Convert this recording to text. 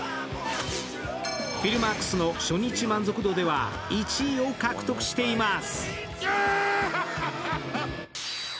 Ｆｉｌｍａｒｋｓの初日満足度では１位を獲得しています。